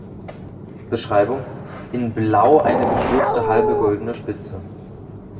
Beschreibung: In Blau eine gestürzte halbe goldene Spitze.